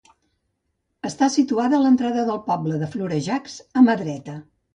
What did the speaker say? Està situada a l'entrada del poble de Florejacs, a mà dreta.